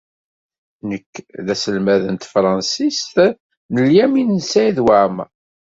Nekki d aselmad n tefransist n Lyamin n Saɛid Waɛmeṛ.